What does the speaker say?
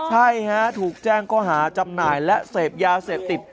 ใช่ฮะถูกแจ้งก็หาจำหน่ายและเสพยาเสพติด